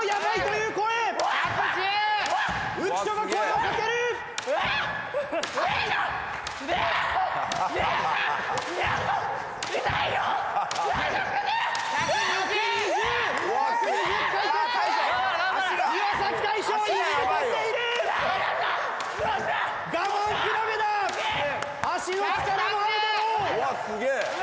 うわっすげえ！